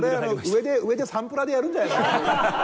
それ上でサンプラーでやるんじゃないんですか？